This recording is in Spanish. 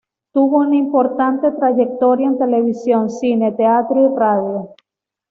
Tuvo una importante trayectoria en televisión, cine, teatro y radio.